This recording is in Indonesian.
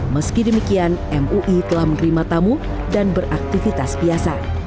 meski demikian mui telah menerima tamu dan beraktivitas biasa